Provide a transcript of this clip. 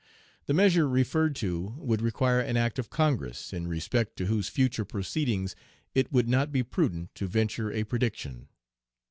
The measure referred to would require an Act of Congress, in respect to whose future proceedings it would not be prudent to venture a prediction."